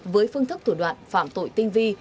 với phương thức thủ đoạn phạm tội tinh vi